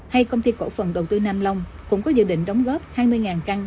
hay công ty cổ phần đầu tư nam long cũng có dự định đóng góp hai mươi căn